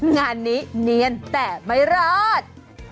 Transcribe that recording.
งานนี้เนียนแต่ไม่รอด